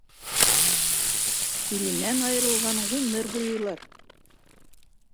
Иленән айырылған ғүмер буйы илар.